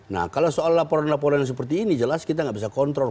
nah kalau soal laporan laporan seperti ini jelas kita nggak bisa kontrol